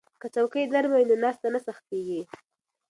که څوکۍ نرمه وي نو ناسته نه سختیږي.